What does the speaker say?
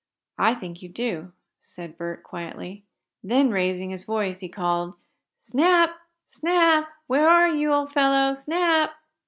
"I think you do," said Bert, quietly. Then raising his voice, he called: "Snap! Snap! Where are you, old fellow? Snap!"